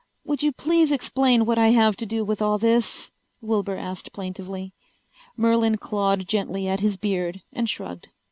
"Would you please explain what I have to do with all this?" Wilbur asked plaintively. Merlin clawed gently at his beard and shrugged.